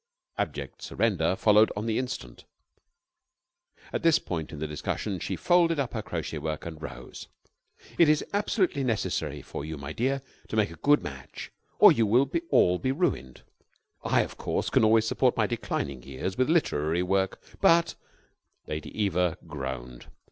Abject surrender followed on the instant. At this point in the discussion she folded up her crochet work, and rose. "It is absolutely necessary for you, my dear, to make a good match, or you will all be ruined. I, of course, can always support my declining years with literary work, but " Lady Eva groaned.